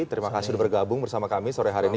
terima kasih sudah bergabung bersama kami sore hari ini